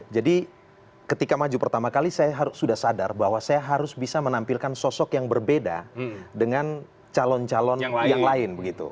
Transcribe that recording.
jadi ketika maju pertama kali saya sudah sadar bahwa saya harus bisa menampilkan sosok yang berbeda dengan calon calon yang lain begitu